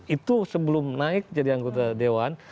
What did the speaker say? itu sebelum naik jadi anggota dewan